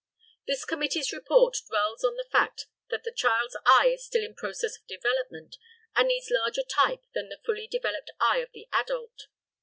This committee's report dwells on the fact that the child's eye is still in process of development and needs larger type than the fully developed eye of the adult.